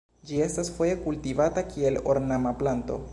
Ĝi estas foje kultivata kiel ornama planto.